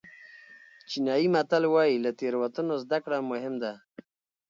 چینایي متل وایي له تېروتنو زده کړه مهم ده.